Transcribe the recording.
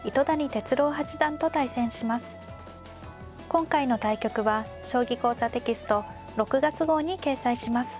今回の対局は「将棋講座」テキスト６月号に掲載します。